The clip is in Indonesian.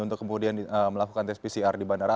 untuk kemudian melakukan tes pcr di bandara